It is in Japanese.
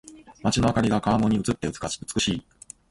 街の灯りが川面に映って美しい。